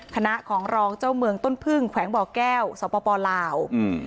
คณะของรองเจ้าเมืองต้นพึ่งแขวงบ่อแก้วสปลาว